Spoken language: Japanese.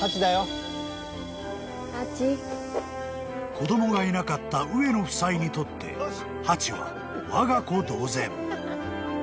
［子供がいなかった上野夫妻にとってハチはわが子同然］